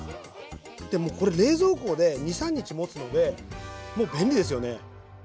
でもうこれ冷蔵庫で２３日もつのでもう便利ですよね。